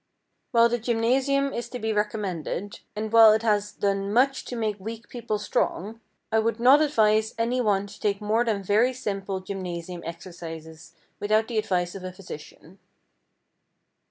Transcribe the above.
While the gymnasium is to be recommended, and while it has done much to make weak people strong, I would not advise any one to take more than very simple gymnasium exercises without the advice of a physician.